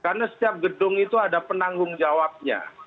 karena setiap gedung itu ada penanggung jawabnya